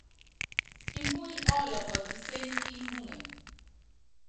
Imbúnyi ɔ́lɔkɔ́ kisíén kí imbuŋe.